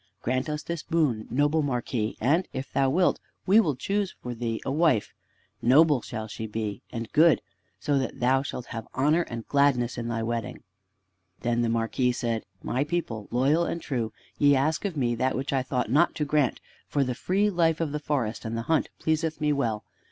Grant us this boon, noble Marquis, and, if thou wilt, we will choose for thee a wife. Noble shall she be, and good, so that thou shalt have honor and gladness in thy wedding." Then the Marquis said: "My people, loyal and true, ye ask of me that which I thought not to grant, for the free life of the forest and the hunt pleaseth me well.